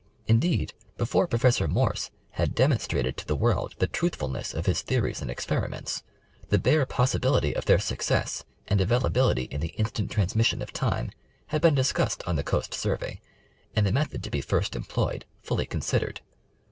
Indeed, before Professor Morse had demonstrated to the world the truthfulness of his theories and experiments, the bare possibility of their success, and availability in the instant trans mission of time, had been discussed on the Coast Survey, and the method to be first employed fully considered.